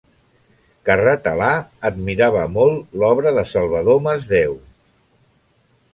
Carratalà admirava molt l’obra de Salvador Masdeu.